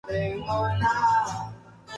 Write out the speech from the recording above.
Pero está bien.